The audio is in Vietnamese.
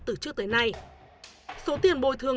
từ trước tới nay số tiền bồi thương